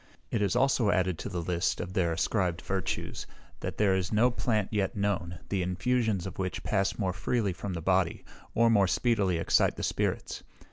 It is also added to the list of their ascribed virtues, that there is no plant yet known, the infusions of which pass more freely from the body, or more speedily excite the spirits.